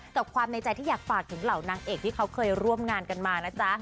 กับความในใจที่อยากฝากถึงเหล่านางเอกที่เขาเคยร่วมงานกันมานะจ๊ะ